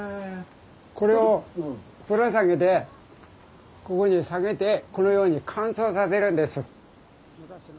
これをぶら下げてここに下げてこのように乾燥させるんです。